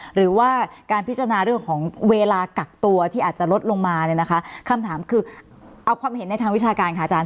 หรือว่าการพิจารณาเรื่องของเวลากักตัวที่อาจจะลดลงมาเนี่ยนะคะคำถามคือเอาความเห็นในทางวิชาการค่ะอาจารย